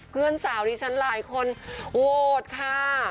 เพื่อนสาวดิฉันหลายคนโหวตค่ะ